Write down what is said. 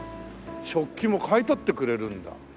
食器も買い取ってくれるんだ。